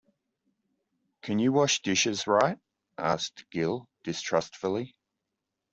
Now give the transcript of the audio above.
“Can you wash dishes right?” asked Gill distrustfully.